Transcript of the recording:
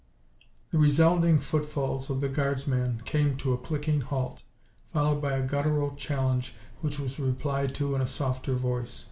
The resounding footfalls of the guardsman came to a clicking halt, followed by a guttural challenge which was replied to in a softer voice.